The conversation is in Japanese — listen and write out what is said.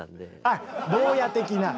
あっ坊や的な。